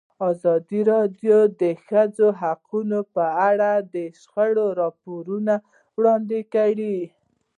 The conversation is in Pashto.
ازادي راډیو د د ښځو حقونه په اړه د شخړو راپورونه وړاندې کړي.